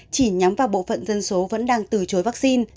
chỉ nhắm vào bộ phận dân số vẫn đang từ chối vaccine